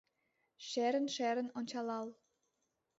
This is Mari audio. Шерын-шерын ончалал!